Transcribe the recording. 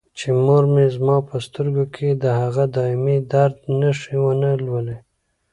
چې مور مې زما په سترګو کې د هغه دایمي درد نښې ونه لولي.